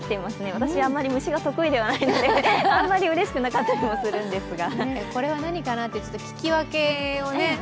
私は虫があまり得意ではないのであんまりうれしくなかったりもするんですが。